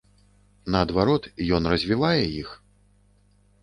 Наадварот, ён развівае іх.